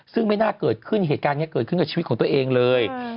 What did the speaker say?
ซึ่งไม่น่าเกิดขึ้นเหตุการณ์นี้เกิดขึ้นกับชีวิตของตัวเองเลย